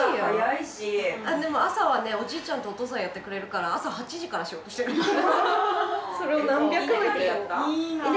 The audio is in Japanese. あでも朝はねおじいちゃんとお父さんやってくれるから朝８時から仕事してる。